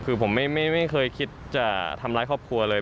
คือผมไม่เคยคิดจะทำร้ายครอบครัวเลย